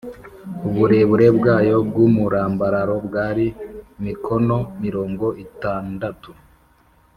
uburebure bwayo bw’umurambararo bwari mikono mirongo itandatu